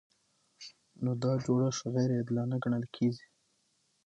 نو دا جوړښت غیر عادلانه ګڼل کیږي.